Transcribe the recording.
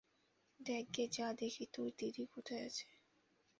দেখগে যা দেখি তোর দিদি কোথায আছে!